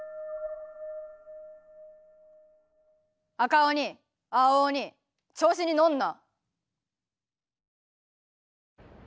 赤鬼青鬼調子に乗んな。